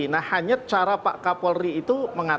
nah hanya cara pak kapolri itu mengatakan